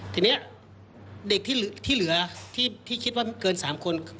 ทีนี้เด็กที่เหลือที่คิดว่าเกิน๓คน